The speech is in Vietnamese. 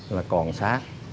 là còn sát